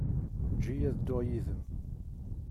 Eǧǧ-iyi ad dduɣ yid-m.